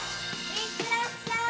いってらっしゃい！